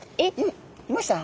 いました？